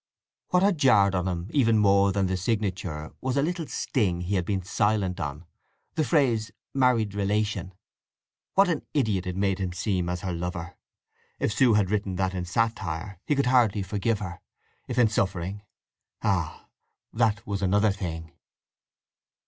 What had jarred on him even more than the signature was a little sting he had been silent on—the phrase "married relation"—What an idiot it made him seem as her lover! If Sue had written that in satire, he could hardly forgive her; if in suffering—ah, that was another thing!